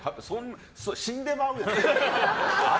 死んでまうよ。